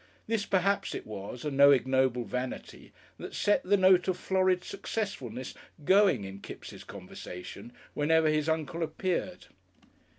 This perhaps it was, and no ignoble vanity, that set the note of florid successfulness going in Kipps' conversation whenever his uncle appeared.